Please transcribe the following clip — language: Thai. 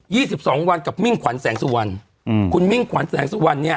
ี่สิบสองวันกับมิ่งขวัญแสงสุวรรณอืมคุณมิ่งขวัญแสงสุวรรณเนี้ย